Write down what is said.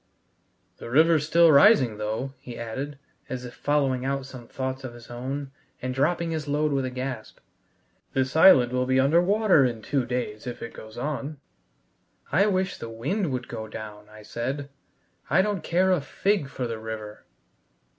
"The river's still rising, though," he added, as if following out some thoughts of his own, and dropping his load with a gasp. "This island will be under water in two days if it goes on." "I wish the wind would go down," I said. "I don't care a fig for the river."